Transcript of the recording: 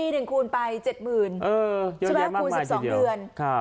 ปีหนึ่งคูณไปเจ็ดหมื่นเออเยอะแยะมากคูณสิบสองเดือนครับ